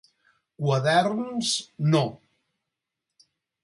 Quaderns no.